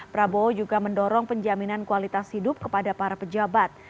prabowo juga mendorong penjaminan kualitas hidup kepada para pejabat